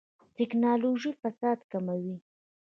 ټکنالوژي فساد کموي